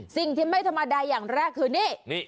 สิ่งที่ไม่ธรรมดาอย่างแรกคือนี่